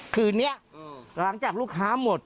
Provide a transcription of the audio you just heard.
คืนนี้หลังจากลูกค้าหมด